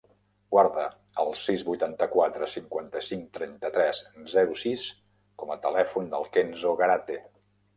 Guarda el sis, vuitanta-quatre, cinquanta-cinc, trenta-tres, zero, sis com a telèfon del Kenzo Garate.